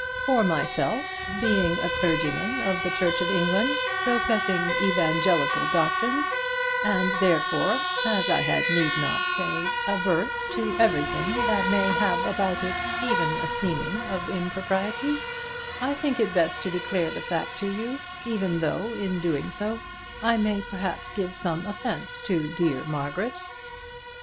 For myself, being a clergyman of the Church of England, professing evangelical doctrines, and therefore, as I had need not say, averse to everything that may have about it even a seeming of impropriety, I think it best to declare the fact to you, even though in doing so I may perhaps give some offence to dear Margaret."